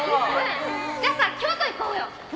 じゃあさ京都行こうよ